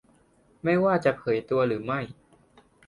ไม่ว่าจะเผยตัวหรือไม่